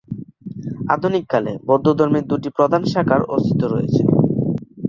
আধুনিক কালে, বৌদ্ধধর্মের দুটি প্রধান শাখার অস্তিত্ব রয়েছে।